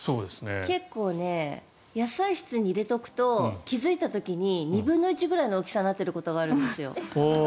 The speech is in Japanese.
結構野菜室に入れておくと気付いた時に２分の１ぐらいの大きさになってる時があるんですよ。